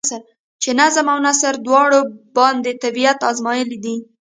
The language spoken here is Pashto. چې نظم او نثر دواړو باندې طبېعت ازمائېلے دے ۔